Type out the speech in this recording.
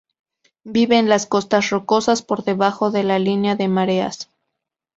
Vive en las costas rocosas por debajo de la línea de mareas.